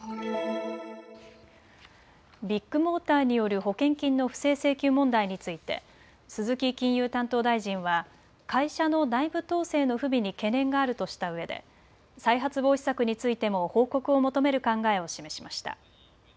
ビッグモーターによる保険金の不正請求問題について鈴木金融担当大臣は会社の内部統制の不備に懸念があるとしたうえで再発防止策についても報告を求める考えを示しました。